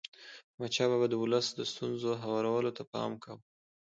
احمدشاه بابا د ولس د ستونزو هوارولو ته پام کاوه.